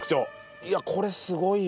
いやこれすごいよ。